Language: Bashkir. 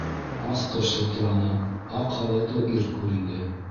Асҡыс шылтыраны, аҡ халатлы ир күренде.